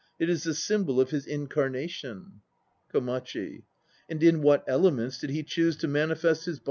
3 It is the symbol of his incarnation. KOMACHL And in what elements did he choose to manifest his body?